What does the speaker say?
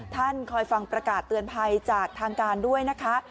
คอยฟังประกาศเตือนภัยจากทางการด้วยนะคะ